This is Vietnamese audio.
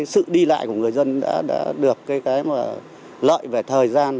sự đi lại của người dân đã được cái lợi về thời gian